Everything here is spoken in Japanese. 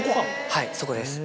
はいそこです。